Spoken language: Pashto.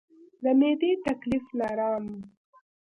د معدې تکلیف لرم